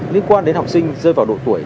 liên quan đến học sinh rơi vào độ tuổi